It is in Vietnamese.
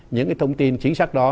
những cái thông tin chính xác đó